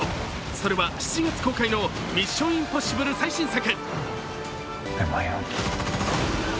それは７月公開の「ミッション：インポッシブル」最新作。